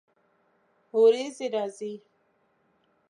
ورېځې راځي